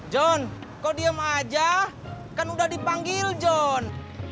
john kau diam aja kan udah dipanggil john